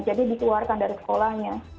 jadi dikeluarkan dari sekolahnya